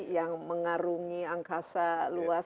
yang mengarungi angkasa luas